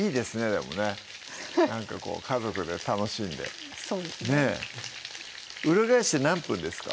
でもねなんかこう家族で楽しんでそうですね裏返して何分ですか？